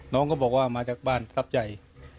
น้องก็บอกว่ามาจากบ้านทรัพย์ใหญ่